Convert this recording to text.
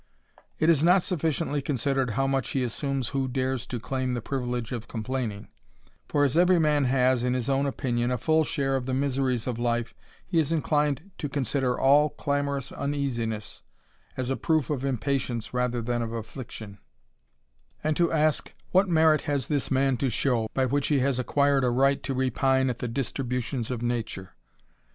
It is not sufficiently considered how much he assumes who dares to claim the privilege of complaining; for as every man has, in his own opinion, a full share of the miseries of life, he is inclined to consider all clamorous uneasiness, as a proof of impatience rather than of affliction, THE RAMBLER, 71 and to ask, What merit has this man to show, by which he has acquired a right to repine at the distributions of nature